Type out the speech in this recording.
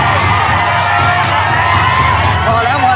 สวัสดีครับ